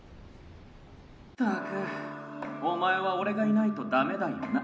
ったくお前は俺がいないと駄目だよな。